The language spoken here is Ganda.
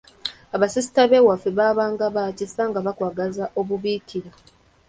Abasisita b’ewaffe baabanga ba kisa nga bakwagaza obubiikira.